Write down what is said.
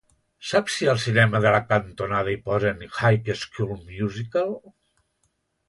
Saps si al cinema de la cantonada hi posen "High School Musical"?